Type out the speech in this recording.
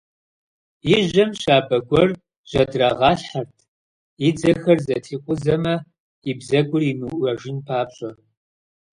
И жьэм щабэ гуэр жьэдрагъалъхьэрт, и дзэхэр зэтрикъузэмэ, и бзэгур имыуӏэжын папщӏэ.